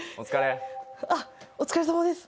あっお疲れさまです